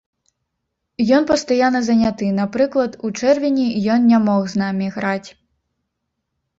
Ён пастаянна заняты, напрыклад, у чэрвені ён не мог з намі граць.